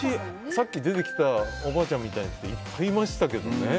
さっき出てきたおばあちゃんみたいな人いっぱいいましたけどね。